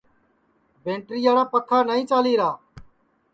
بیٹریاڑا پکھا نائی چالیرا